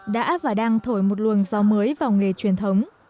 đã và đang thổi một luồng gió mới vào nghề truyền thống